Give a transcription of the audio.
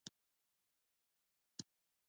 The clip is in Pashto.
ایا ټوخی لرئ؟